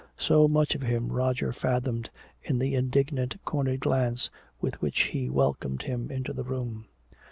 So much of him Roger fathomed in the indignant cornered glance with which he welcomed him into the room.